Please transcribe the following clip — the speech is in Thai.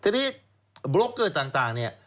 ทีนี้บรูกเกอร์ต่าง